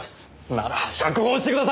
なら釈放してください！